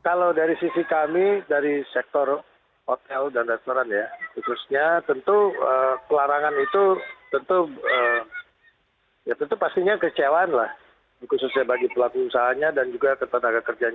kalau dari sisi kami dari sektor hotel dan restoran ya khususnya tentu kelarangan itu tentu ya tentu pastinya kecewaan lah khususnya bagi pelaku usahanya dan juga ketenaga kerjanya